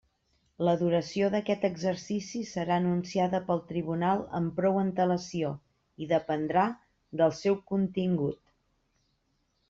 La duració d'aquest exercici serà anunciada pel tribunal amb prou antelació i dependrà del seu contingut.